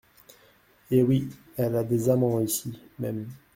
Eh oui ! elle a des amants ici même.